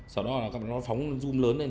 sau đó là nó phóng zoom lớn lên